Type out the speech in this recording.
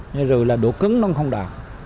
như là độ cứng nó không đạt